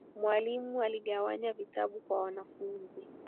Mwalimu aligawanya vitabu kwa wanafunzi